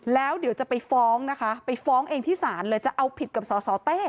แล้วเดี๋ยวจะไปฟ้องนะคะไปฟ้องเองที่ศาลเลยจะเอาผิดกับสสเต้